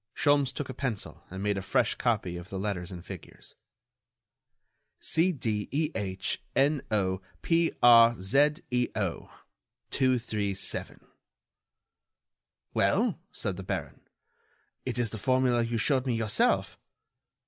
Sholmes took a pencil and made a fresh copy of the letters and figures. "CDEHNOPRZEO—237." "Well?" said the baron; "it is the formula you showed me yourself."